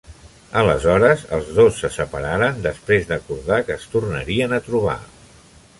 Aleshores els dos se separaren, després d'acordar que es tornarien a trobar.